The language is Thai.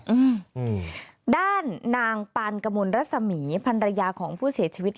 อืมด้านนางปานกมลรัศมีพันรยาของผู้เสียชีวิต